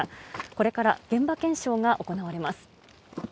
これから現場検証が行われます。